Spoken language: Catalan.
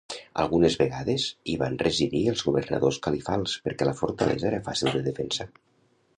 Algunes vegades hi van residir els governadors califals perquè la fortalesa era fàcil de defensar.